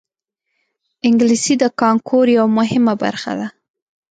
انګلیسي د کانکور یوه مهمه برخه ده